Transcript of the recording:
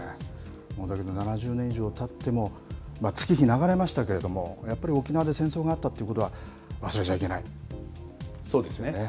だけど７０年以上たっても月日流れましたけれどもやっぱり沖縄で戦争があったということはそうですね。